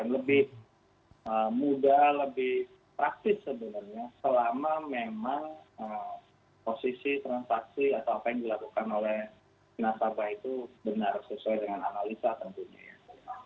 lebih mudah lebih praktis sebenarnya selama memang posisi transaksi atau apa yang dilakukan oleh nasabah itu benar sesuai dengan analisa tentunya ya